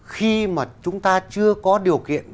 khi mà chúng ta chưa có điều kiện